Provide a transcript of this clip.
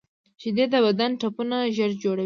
شیدې د بدن ټپونه ژر جوړوي